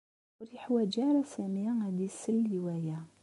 Ur yeḥwaǧ ara Sami ad isel i waya.